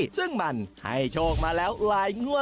ซึ่งมันให้โชคมาแล้วลายงั่วติดกัน